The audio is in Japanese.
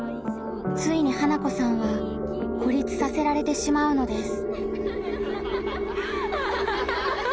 ついに花子さんは孤立させられてしまうのです。